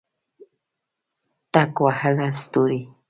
ټک وهله ستوري